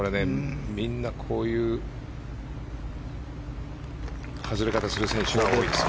みんなこういう外れ方をする選手が多いですね。